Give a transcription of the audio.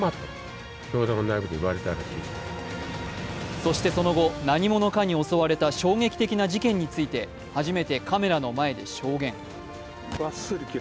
そしてその後、何者かに襲われた衝撃的な事件について初めてカメラの前で証言。